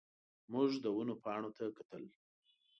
موږ د ونو پاڼو ته کتل.